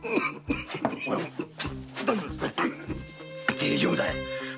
大丈夫だ。